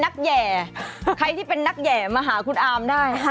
แห่ใครที่เป็นนักแห่มาหาคุณอามได้